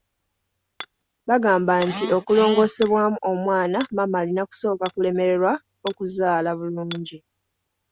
Bagamba nti okulongoosebwamu omwana, maama alina kusooka kulemererwa okuzaala bulungi.